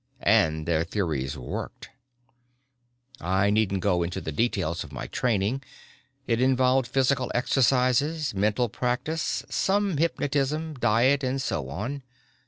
And their theories worked. "I needn't go into the details of my training. It involved physical exercises, mental practice, some hypnotism, diet and so on.